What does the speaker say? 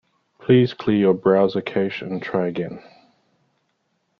Please clear your browser cache and try again.